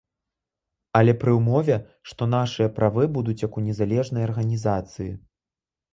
Але пры ўмове, што нашыя правы будуць як у незалежнай арганізацыі.